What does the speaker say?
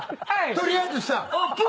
取りあえずさ。